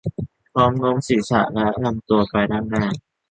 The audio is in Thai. พร้อมโน้มศีรษะและลำตัวไปด้านหน้า